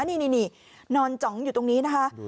นี่นอนจ๋องอยู่ตรงนี้นะคะ